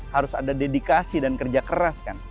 harus ada dedikasi dan kerja keras kan